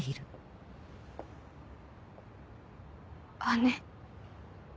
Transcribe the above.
姉？